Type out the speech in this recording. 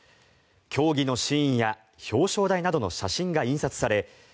競技のシーンや表彰台などの写真が印刷され